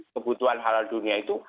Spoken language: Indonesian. kebutuhan halal dunia itu